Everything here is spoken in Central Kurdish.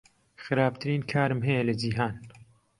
خراپترین کارم هەیە لە جیهان.